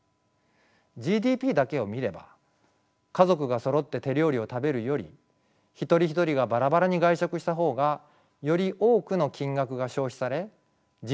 ＧＤＰだけを見れば家族がそろって手料理を食べるより一人一人がバラバラに外食した方がより多くの金額が消費されＧＤＰは増えます。